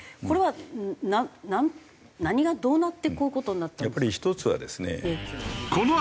これは何がどうなってこういう事になったんですか？